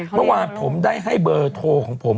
เพราะว่าผมได้ให้เบอร์โทรของผม